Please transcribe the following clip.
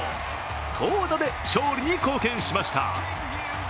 投打で勝利に貢献しました。